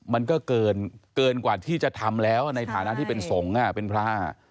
มันก็เกินกว่าที่จะทำแล้วในฐานะที่เป็นสงฆ์เป็นพระ